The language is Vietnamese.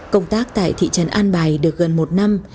công tác tại thị trấn an bài được gần một năm